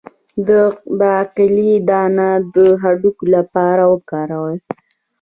د باقلي دانه د هډوکو لپاره وکاروئ